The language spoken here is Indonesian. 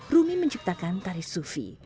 rumi menciptakan tarikh sufi